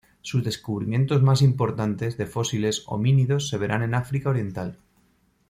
Sus descubrimientos más importantes de fósiles homínidos se verán en África Oriental.